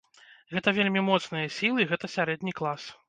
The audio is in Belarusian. Гэта вельмі моцныя сілы, гэта сярэдні клас.